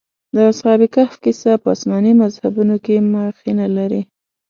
د اصحاب کهف کيسه په آسماني مذهبونو کې مخینه لري.